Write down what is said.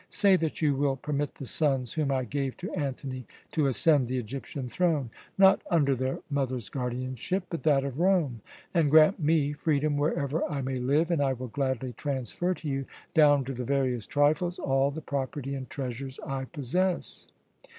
Say that you will permit the sons whom I gave to Antony to ascend the Egyptian throne, not under their mother's guardianship, but that of Rome, and grant me freedom wherever I may live, and I will gladly transfer to you, down to the veriest trifles, all the property and treasures I possess."